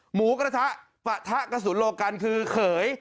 หมูกระทะปะทะกระสุนโลกันคือเขย